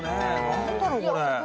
何だろうこれ？